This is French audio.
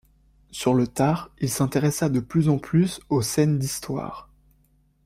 Sur le tard, il s'intéressa de plus en plus aux scènes d'histoire.